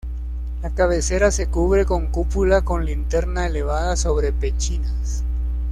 La cabecera se cubre con cúpula con linterna elevada sobre pechinas.